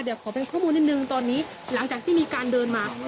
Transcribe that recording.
เดี๋ยวขอเป็นข้อมูลนิดนึงตอนนี้หลังจากที่มีการเดินมา